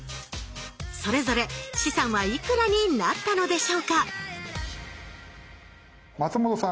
それぞれ資産はいくらになったのでしょうか松本さん